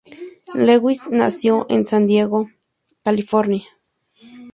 Lewis nació en San Diego, California.